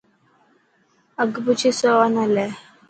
اگھه پوڇي سوانا لي.